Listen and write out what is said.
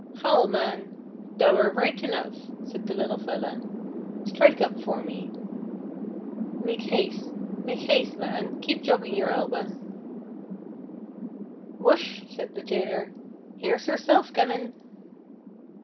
'Houl' man! thou're right enough,' said the little fella. 'Strike up for me make has'e, make has'e, man keep joggin' your elba.' 'Whush!' said the tailor, 'here's Herself comin'.'